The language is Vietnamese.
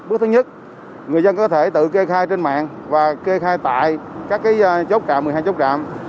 bước thứ nhất người dân có thể tự kê khai trên mạng và kê khai tại các chốt trạm một mươi hai chốt trạm